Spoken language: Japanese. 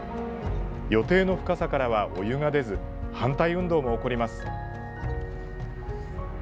予定の深さからはお湯が出ず反対運動も起こります。